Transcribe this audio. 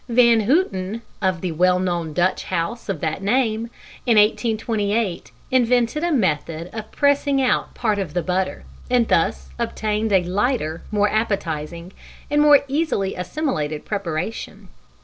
Van Houten (of the well known Dutch house of that name) in 1828 invented a method of pressing out part of the butter, and thus obtained a lighter, more appetising, and more easily assimilated preparation.